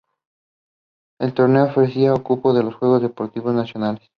El torneo ofrecía cupo a los Juegos Deportivos Nacionales.